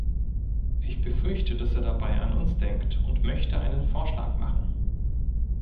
Ich befürchte, dass er dabei an uns denkt, und möchte einen Vorschlag machen.